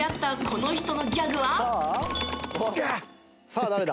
さあ誰だ？